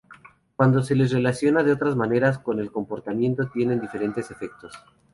Cuando se les relaciona de otras maneras con el comportamiento, tienen diferentes efectos.